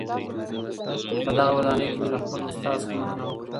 په دغه ودانۍ کي مي له خپل استاد څخه مننه وکړه.